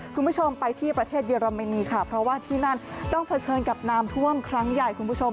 คุณผู้ชมไปที่ประเทศเยอรมนีค่ะเพราะว่าที่นั่นต้องเผชิญกับน้ำท่วมครั้งใหญ่คุณผู้ชม